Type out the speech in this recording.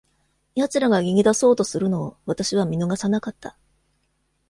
奴らが逃げ出そうとするのを、私は見逃さなかった。